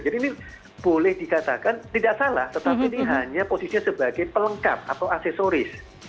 jadi ini boleh dikatakan tidak salah tetapi ini hanya posisinya sebagai pelengkap atau aksesoris